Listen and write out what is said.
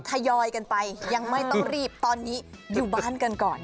ทยอยกันไปยังไม่ต้องรีบตอนนี้อยู่บ้านกันก่อน